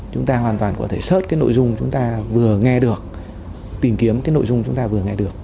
chúng ta hoàn toàn có thể xớt cái nội dung chúng ta vừa nghe được tìm kiếm cái nội dung chúng ta vừa nghe được